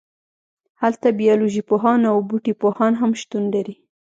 هلته بیالوژی پوهان او بوټي پوهان هم شتون لري